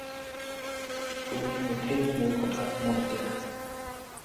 তুমি মুঠেই মোৰ কথাত মত দিয়া।